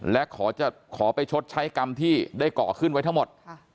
และขอไปชดใช้กรรมที่ได้ก่อขึ้นไว้ทั้งหมด